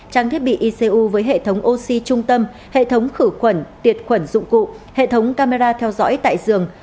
trang thiết bị icu với hệ thống oxy trung tâm hệ thống khử khuẩn tiệt khuẩn dụng cụ hệ thống camera theo dõi tại giường